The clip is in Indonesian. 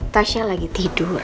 tasya lagi tidur